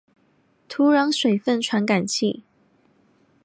土壤水分传感器。